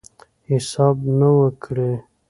حساب نه وو کړی.